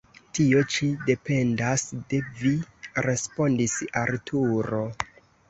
Tio ĉi dependas de vi, respondis Arturo.